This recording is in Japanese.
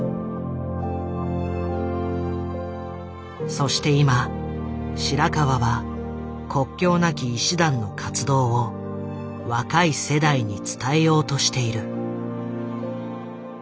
そして今白川は国境なき医師団の活動を若い世代に伝えようとしている。